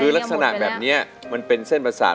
คือลักษณะแบบนี้มันเป็นเส้นประสาท